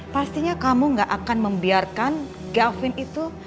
pastinya kamu gak akan membiarkan gavin itu